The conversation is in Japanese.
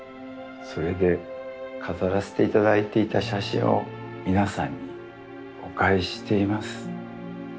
それで飾らせて頂いていた写真を皆さんにお返ししています。